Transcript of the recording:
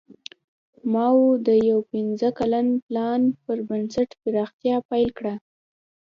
ماوو د یو پنځه کلن پلان پر بنسټ پراختیا پیل کړه.